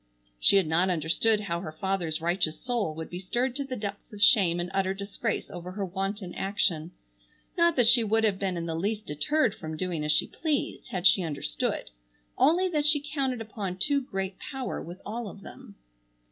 She had not understood how her father's righteous soul would be stirred to the depths of shame and utter disgrace over her wanton action. Not that she would have been in the least deterred from doing as she pleased had she understood, only that she counted upon too great power with all of them.